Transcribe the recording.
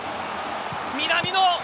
南野。